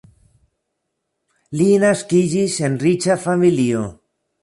Li naskiĝis en riĉa familio.